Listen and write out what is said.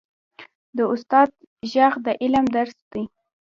د استاد ږغ د علم درس دی.